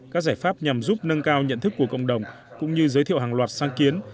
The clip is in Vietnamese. các giải pháp nhằm giúp nâng cao nhận thức của cộng đồng cũng như giới thiệu hàng loạt sáng kiến